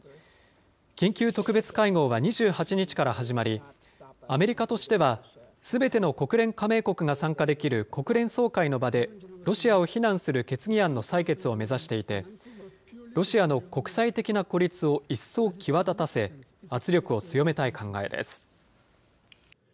緊急特別会合は２８日から始まり、アメリカとしてはすべての国連加盟国が参加できる国連総会の場でロシアを非難する決議案の採決を目指していて、ロシアの国際的な孤立を一層際立たせ、圧力を強めたい考えです。